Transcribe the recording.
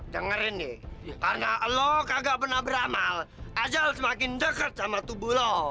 dengerin nih karena lo kagak pernah beramal ajal semakin dekat sama tubuh lo